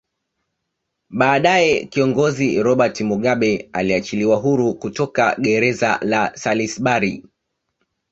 Baadae Kiongozi Robert Mugabe aliachiliwa huru kutoka greza la Salisbury